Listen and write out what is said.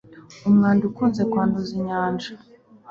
umwanda ukunze kwanduza inyanja